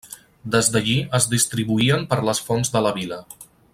Des d'allí es distribuïen per les fonts de la vila.